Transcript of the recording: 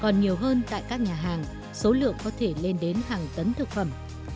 còn nhiều hơn tại các nhà hàng số lượng có thể lên đến hàng tấn thực phẩm